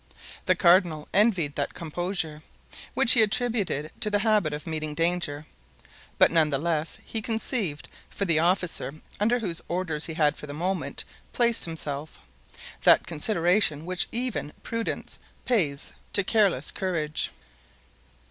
The cardinal envied that composure, which he attributed to the habit of meeting danger; but none the less he conceived for the officer under whose orders he had for the moment placed himself, that consideration which even prudence pays to careless courage.